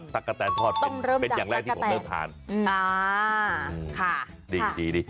ตะกะแทนทอดเป็นอย่างแรกที่ผมเริ่มทาน